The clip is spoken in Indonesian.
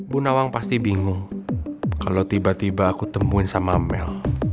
bu nawang pasti bingung kalau tiba tiba aku temuin sama mel